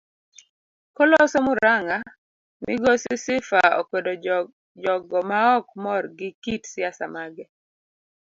Koloso muranga migosi Sifa okwedo jogo maok mor gi kit siasa mage.